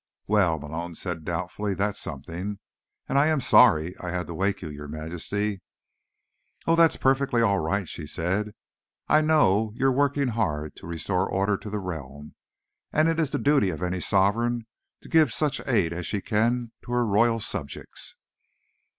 "Well," Malone said doubtfully, "that's something. And I am sorry I had to wake you, Your Majesty." "Oh, that's perfectly all right," she said. "I know you're working hard to restore order to the realm, and it is the duty of any Sovereign to give such aid as she can to her Royal subjects."